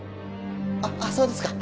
あっそうですか。